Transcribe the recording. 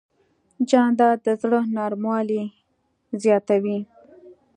جانداد د زړه نرموالی زیاتوي.